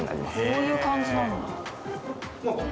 こういう感じなんだ。